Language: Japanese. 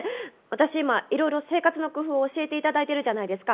私今いろいろ生活の工夫を教えて頂いてるじゃないですか。